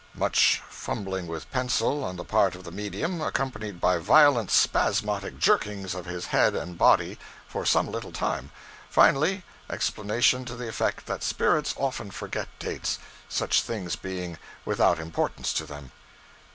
(Much fumbling with pencil, on the part of the medium, accompanied by violent spasmodic jerkings of his head and body, for some little time. Finally, explanation to the effect that spirits often forget dates, such things being without importance to them.)